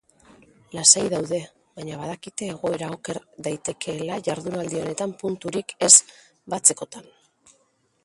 Lasai daude, baina badakite egoera oker daitekeela jardunaldi honetan punturik ez batzekotan.